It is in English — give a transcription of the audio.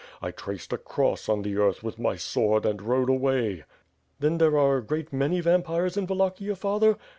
I traced a cross on the earth with my sword and rode away." "Then there are a great many vampires in Wallachia, father?"